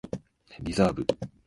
リザーブ